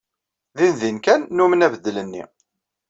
Dindin kan nnumen abeddel-nni.